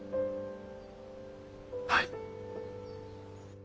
はい！